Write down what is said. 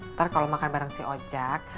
ntar kalo makan bareng si ojak